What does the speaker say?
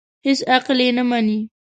هېڅ عقل یې نه مني.